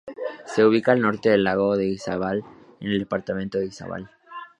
Se ubica al norte del lago de Izabal, en el departamento de Izabal.